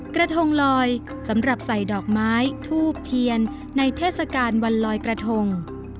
กระทงลอยสำหรับใส่ดอกไม้ทูบเทียนในเทศกาลวันลอยกระทง